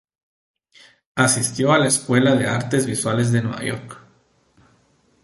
Asistió a la Escuela de Artes Visuales de Nueva York.